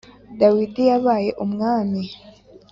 dawidi yabaye umwami